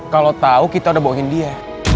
kalau tau kita udah bohin dia